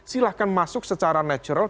silahkan masuk secara natural